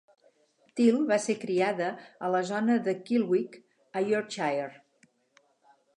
Teal va ser criada a la zona de Kildwick, a Yorkshire.